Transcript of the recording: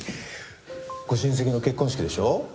ご親戚の結婚式でしょ？